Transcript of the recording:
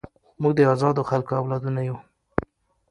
موږ د ازادو خلکو اولادونه یو.